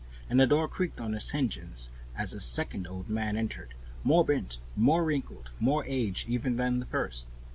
The door creaked on its hinges as a second old man entered, more bent, more wrinkled, more aged even than the first.